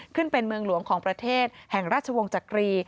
ขึ้นเป็นเมืองหลวงของประเทศแห่งราชวงศ์จักรี